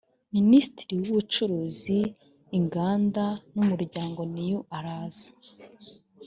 minisitiri w ‘ubucuruzi ,inganda n ‘umuryango new araza.